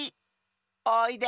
おいで。